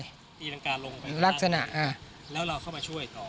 ตีรังกาลงไปลักษณะอ่ะแล้วเราเข้ามาช่วยต่อ